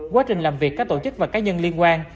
quá trình làm việc các tổ chức và cá nhân liên quan